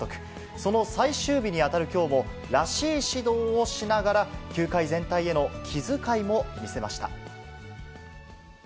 その最終日に当たるきょうも、らしい指導をしながら、球界全体への気遣いも見せました。